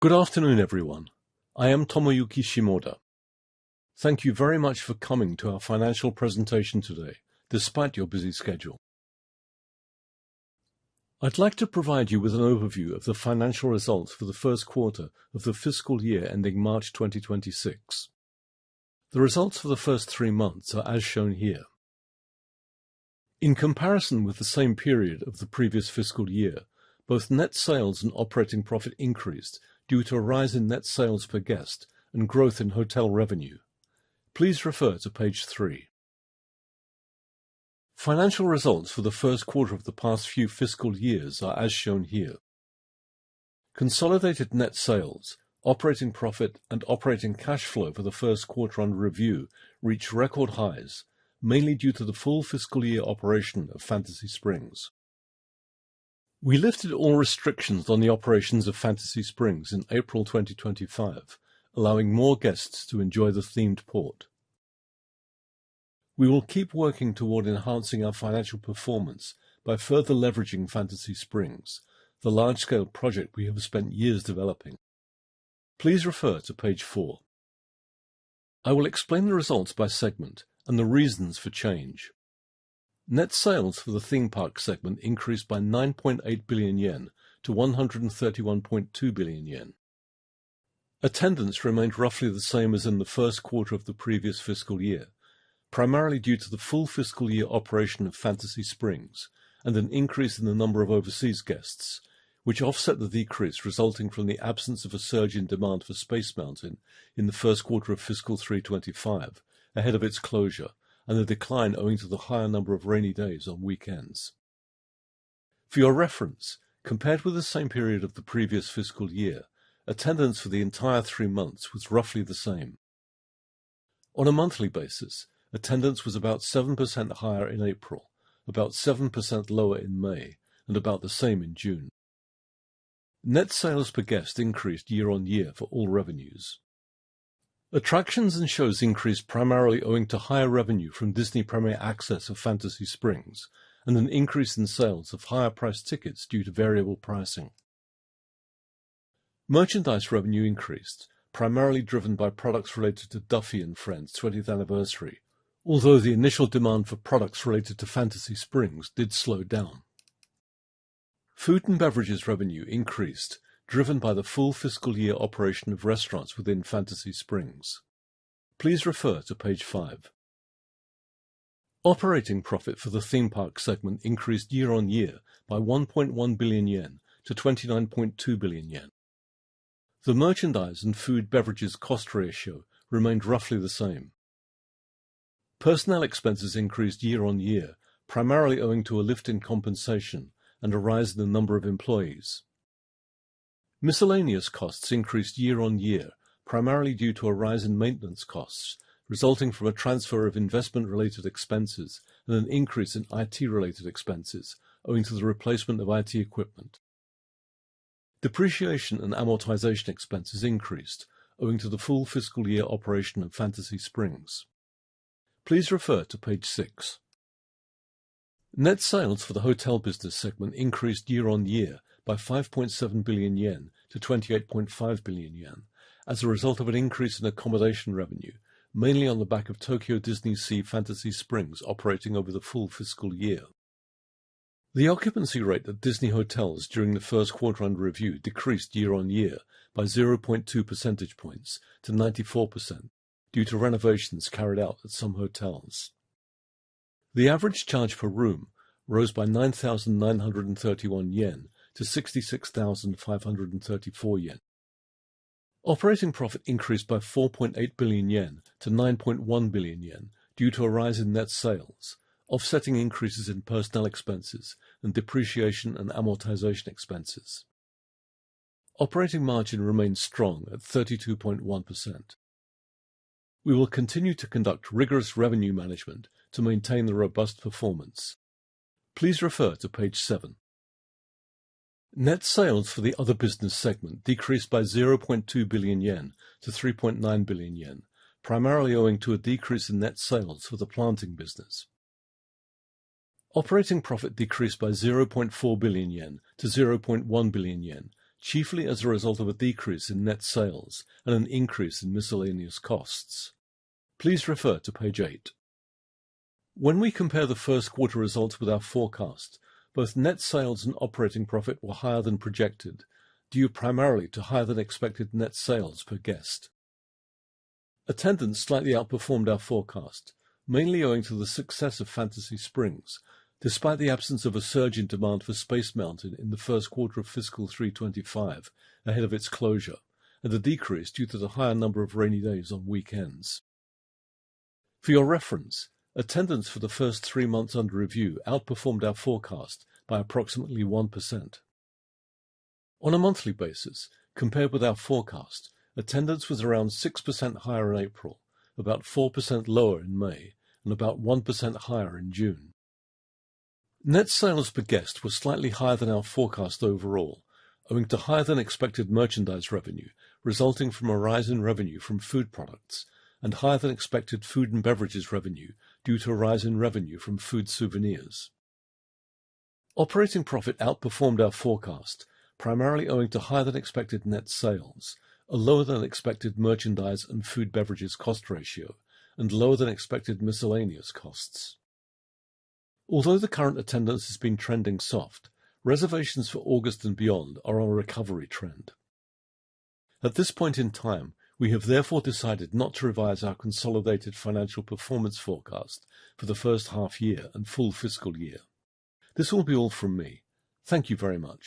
Good afternoon, everyone. I am Tomoyuki Shimoda. Thank you very much for coming to our Financial Presentation today despite your busy schedule. I'd like to provide you with an overview of the Financial Results for the First Quarter of the Fiscal Year ending March 2026. The results for the 1st three months are as shown here. In comparison with the same period of the previous fiscal year, both net sales and operating profit increased due to a rise in net sales per guest and growth in hotel revenue. Please refer to page three. Financial results for the 1st quarter of the past few fiscal years are as shown here. Consolidated net sales, operating profit, and operating cash flow for the 1st quarter under review reached record highs mainly due to the full fiscal year operation of Fantasy Springs. We lifted all restrictions on the operations of Fantasy Springs in April 2025, allowing more guests to enjoy the themed port. We will keep working toward enhancing our financial performance by further leveraging Fantasy Springs, the large-scale project we have spent years developing. Please refer to page four. I will explain the results by segment and the reasons for change. Net sales for the theme park segment increased by 9.8 billion-131.2 billion yen. Attendance remained roughly the same as in the 1st quarter of the previous fiscal year, primarily due to the full fiscal year operation of Fantasy Springs and an increase in the number of overseas guests, which offset the decrease resulting from the absence of a surge in demand for Space Mountain in the 1st quarter of Fiscal 2025 ahead of its closure and the decline owing to the higher number of rainy days on weekends. For your reference, compared with the same period of the previous fiscal year, attendance for the entire three months was roughly the same on a monthly basis. Attendance was about 7% higher in April, about 7% lower in May, and about the same in June. Net sales per guest increased year-on-year for all revenues, attractions and shows increased primarily owing to higher revenue from Disney Premier Access of Fantasy Springs and an increase in sales of higher-priced tickets due to variable pricing. Merchandise revenue increased, primarily driven by products related to Duffy and Friends 20th Anniversary. Although the initial demand for products related to Fantasy Springs did slow down. Food and beverages revenue increased driven by the full fiscal year operation of restaurants within Fantasy Springs. Please refer to page five. Operating profit for the theme park segment increased year-on-year by 1.1 billion-29.2 billion yen. The merchandise and food beverages cost ratio remained roughly the same. Personnel expenses increased year on year, primarily owing to a lift in compensation and a rise in the number of employees. Miscellaneous costs increased year-on-year, primarily due to a rise in maintenance costs resulting from a transfer of investment related expenses and an increase in IT related expenses owing to the replacement of IT equipment. Depreciation and amortization expenses increased owing to the full fiscal year operation of Fantasy Springs. Please refer to page six. Net sales for the hotel business segment increased year-on-year by 5.7 billion-28.5 billion yen as a result of an increase in accommodation revenue, mainly on the back of Tokyo DisneySea Fantasy Springs operating over the full fiscal year. The occupancy rate at Disney hotels during the 1st quarter under review decreased year-on-year by 0.2 percentage points to 94% due to renovations carried out at some hotels. The average charge per room rose by 9,931-66,534 yen. Operating profit increased by 4.8 billion-9.1 billion yen due to a rise in net sales, offsetting increases in personnel expenses and depreciation and amortization expenses. Operating margin remains strong at 32.1%. We will continue to conduct rigorous revenue management to maintain the robust performance. Please refer to page seven. Net sales for the other business segment decreased by 0.2 billion-3.9 billion yen, primarily owing to a decrease in net sales for the planting business. Operating profit decreased by 0.4 billion-0.1 billion yen, chiefly as a result of a decrease in net sales and an increase in miscellaneous costs. Please refer to page eight when we compare the 1st quarter results with our forecast. Both net sales and operating profit were higher than projected due primarily to higher than expected net sales per guest. Attendance slightly outperformed our forecast mainly owing to the success of Fantasy Springs. Despite the absence of a surge in demand for Space Mountain in the 1st quarter of Fiscal 2025 ahead of its close and a decrease due to the higher number of rainy days on weekends. For your reference, attendance for the 1st three months under review outperformed our forecast by approximately 1% on a monthly basis. Compared with our forecast, attendance was around 6% higher in April, about 4% lower in May, and about 1% higher in June. Net sales per guest was slightly higher than our forecast overall owing to higher than expected merchandise revenue resulting from a rise in revenue from food products and higher than expected food and beverages revenue due to a rise in revenue from food souvenirs. Operating profit outperformed our forecast primarily owing to higher than expected net sales, a lower than expected merchandise and food beverages cost ratio, and lower than expected miscellaneous costs. Although the current attendance has been trending, soft reservations for August and beyond are on a recovery trend at this point in time. We have therefore decided not to revise our consolidated financial performance forecast for the 1st half year and full fiscal year. This will be all from me, thank you very much.